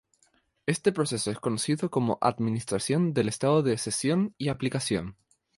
Este proceso es conocido como administración del estado de sesión y aplicación.